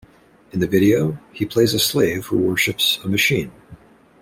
In the video, he plays a slave who worships a machine.